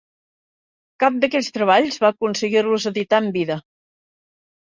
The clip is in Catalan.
Cap d'aquests treballs va aconseguir-los editar en vida.